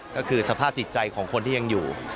ก็คือสภาพจิตใจของคนที่ยังอยู่